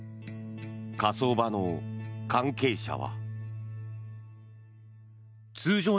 火葬場の関係者は。